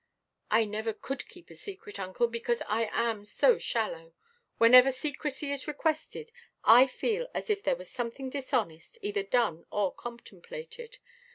I never could keep a secret, uncle, because I am so shallow. Whenever secrecy is requested, I feel as if there was something dishonest, either done or contemplated.